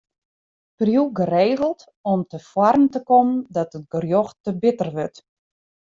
Priuw geregeld om te foaren te kommen dat it gerjocht te bitter wurdt.